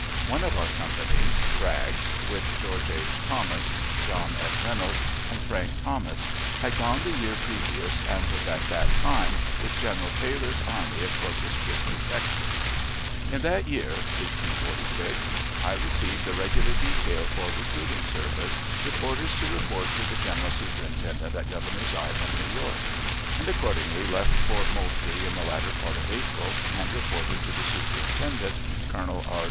One of our companies (Bragg's), with George H. Thomas, John F. Reynolds, and Frank Thomas, had gone the year previous and was at that time with General Taylor's army at Corpus Christi, Texas. In that year (1846) I received the regular detail for recruiting service, with orders to report to the general superintendent at Governor's Island, New York; and accordingly left Fort Moultrie in the latter part of April, and reported to the superintendent, Colonel R.